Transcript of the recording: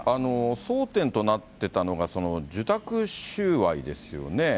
争点となってたのが、受託収賄ですよね。